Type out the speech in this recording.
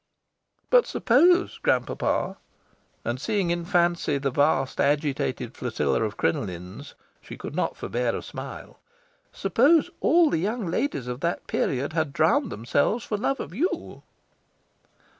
"But suppose, grand papa" and, seeing in fancy the vast agitated flotilla of crinolines, she could not forbear a smile "suppose all the young ladies of that period had drowned themselves for love of you?"